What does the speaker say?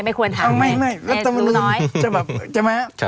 ไม่ควรถามรัฐมนุน